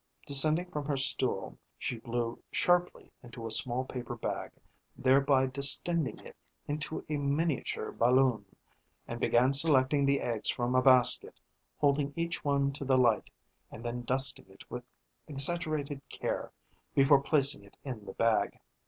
Descending from her stool, she blew sharply into a small paper bag, thereby distending it into a miniature balloon, and began selecting the eggs from a basket, holding each one to the light, and then dusting it with exaggerated care before placing it in the bag.